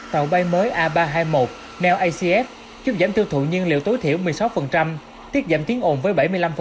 tàu bay mới a ba trăm hai mươi một nlacf giúp giảm tiêu thụ nhiên liệu tối thiểu một mươi sáu tiết giảm tiếng ồn với bảy mươi năm